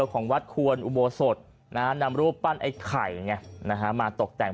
ของวัดควรอุโบสถนำรูปปั้นไอ้ไข่ไงมาตกแต่ง